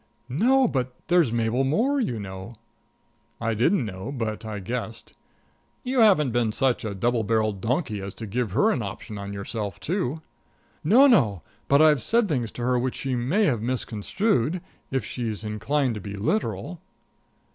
"No, but there's Mabel Moore, you know." I didn't know, but I guessed. "You haven't been such a double barreled donkey as to give her an option on yourself, too?" "No, no; but I've said things to her which she may have misconstrued, if she's inclined to be literal."